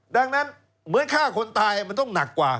ดังนั้นเหมือนฆ่าคนตายมันต้องหนักกว่า